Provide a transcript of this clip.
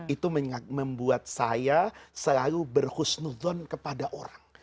itu membuat saya selalu berhusnudhon kepada orang